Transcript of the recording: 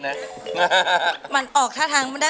มาฟังอินโทรเพลงที่๑๐